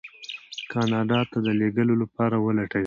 کاناډا ته د لېږلو لپاره ولټوي.